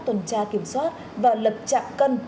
tuần tra kiểm soát và lập trạm cân